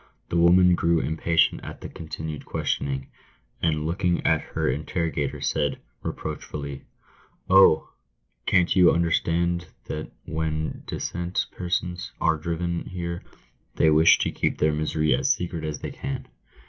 The woman grew impatient at the continued questionings, and looking at her interrogator said, reproachfully, " Oh ! can't you un derstand that when decent persons are driven here they wish to keep their misery as secret as they can.